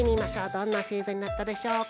どんなせいざになったでしょうか？